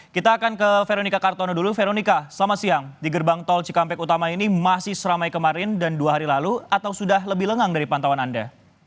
kita akan ke veronica kartono dulu veronica selamat siang di gerbang tol cikampek utama ini masih seramai kemarin dan dua hari lalu atau sudah lebih lengang dari pantauan anda